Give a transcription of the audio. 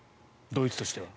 ドイツとしては。